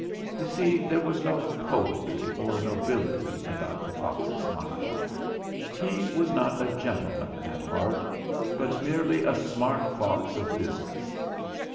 You see, there was no poetry or nobility about the fox's mind. He was not a gentle man at heart, but merely a smart fox of busi ness.